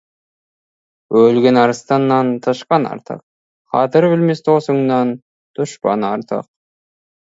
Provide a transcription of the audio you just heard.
Өлген арыстаннан тышқан артық, қадір білмес досыңнан дұшпан артық.